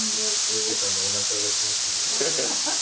一成さんのおなかが気持ちいい。